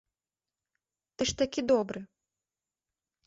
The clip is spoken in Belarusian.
Ты ж такі добры.